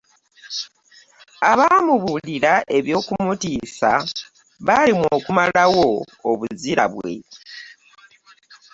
Abamubuulira eby'okumutiisa, Balemwa okumalawo obuzira bwe.